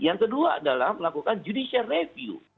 yang kedua adalah melakukan judicial review